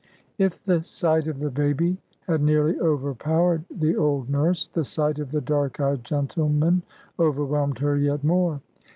If the sight of the baby had nearly overpowered the old nurse, the sight of the dark eyed gentleman overwhelmed her yet more.